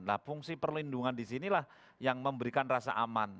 nah fungsi perlindungan di sinilah yang memberikan rasa aman